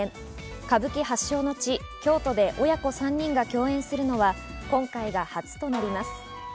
歌舞伎発祥の地・京都で親子３人が共演するのは今回が初となります。